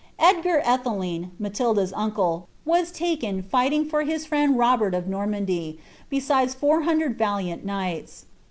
Edgar Atheling, Matilda^s uncle, was lakra fighting for hb friend Robert of Normandy, besides four hundred valiant knights.